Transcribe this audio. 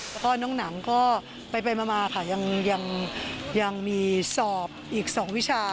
แล้วก็น้องหนังก็ไปมาค่ะยังมีสอบอีก๒วิชา